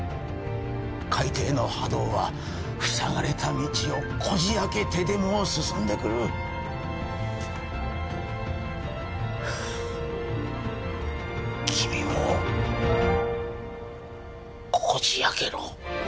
海底の波動は塞がれた道をこじ開けてでも進んでくるふっ君もこじ開けろ！